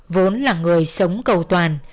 vốn là người sống cầu toàn